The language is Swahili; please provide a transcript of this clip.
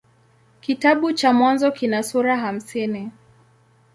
Kitabu cha Mwanzo kina sura hamsini.